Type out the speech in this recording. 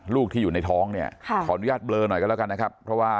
ลูกที่อยู่ในท้องเนี่ยขออนุญาตเบลอหน่อยกันแล้วกันนะครับเพราะว่า